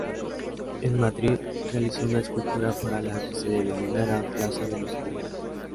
En Madrid realizó una escultura para la que se denominará Plaza de los Cubos.